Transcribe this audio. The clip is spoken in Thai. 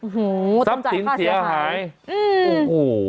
โอ้โหต้องจ่ายค่าเสียหายสับสินเสียหายอืมโอ้โห